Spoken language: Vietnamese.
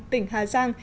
tỉnh hà giang